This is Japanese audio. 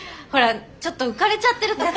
ほらちょっと浮かれちゃってる。